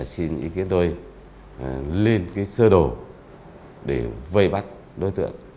xin ý kiến tôi lên cái sơ đồ để vây bắt đối tượng